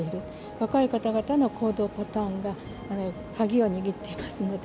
若い方々の行動パターンが鍵を握ってますので。